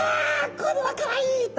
これはかわいい！と。